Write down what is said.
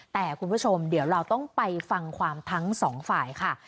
แต่คุณผู้ชมเดี๋ยวเราต้องไปฟังความทั้งสองฝ่ายค่ะ